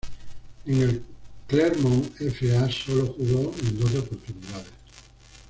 En el Clermont F. A. solo jugó en doce oportunidades.